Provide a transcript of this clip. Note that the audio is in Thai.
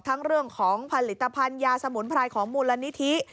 เรื่องของผลิตภัณฑ์ยาสมุนไพรของมูลนิธิ